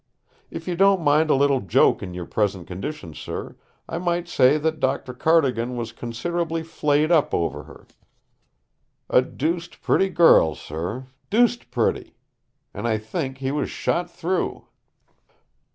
If you don't mind a little joke in your present condition, sir, I might say that Doctor Cardigan was considerably flayed up over her. A deuced pretty girl, sir, deuced pretty! And I think he was shot through!"